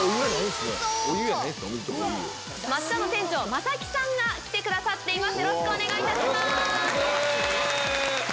松ちゃんの店長正木さんが来てくださっています。